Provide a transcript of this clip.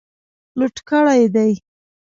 لوټ کړي دي.